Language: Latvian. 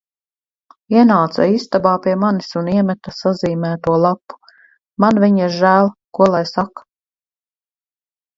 Ienāca istabā pie manis un iemeta sazīmēto lapu. Man viņas žēl, ko lai saka.